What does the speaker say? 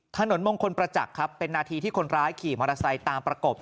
ถนนมงคลประจักษ์ครับเป็นนาทีที่คนร้ายขี่มอเตอร์ไซค์ตามประกบ